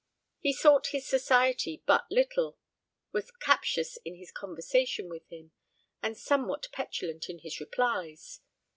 He sought his society but little; was captious in his conversation with him, and somewhat petulant in his replies.